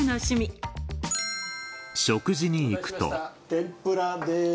天ぷらです。